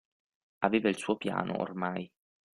Aveva il suo piano, ormai.